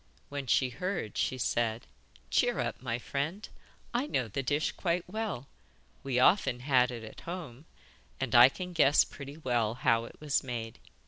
When she heard she said: 'Cheer up, my friend. I know the dish quite well: we often had it at home, and I can guess pretty well how it was made.